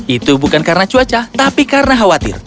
itu bukan karena cuaca tapi karena khawatir